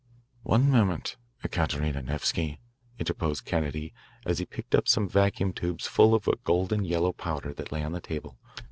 "One moment, Ekaterina Nevsky," interposed Kennedy, as he picked up some vacuum tubes full of a golden yellow powder, that lay on the table.